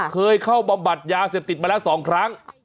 เคยเข้าบำบัดยาเสพติดมาแล้ว๒ครั้ง